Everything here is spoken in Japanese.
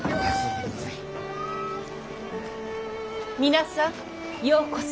皆さんようこそ。